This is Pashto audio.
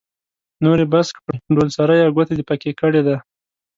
نور يې بس کړئ؛ ډول سری او ګوته دې په کې کړې ده.